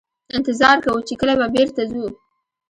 انتظار کوو چې کله به بیرته ځو.